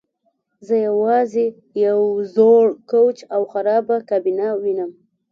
زه یوازې یو زوړ کوچ او خرابه کابینه وینم